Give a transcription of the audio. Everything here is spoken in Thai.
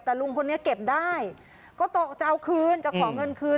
แต่ลุงคนนี้เก็บได้ก็ตกจะเอาคืนจะขอเงินคืน